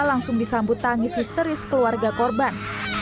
langsung disambut tangis histeris keluarga korban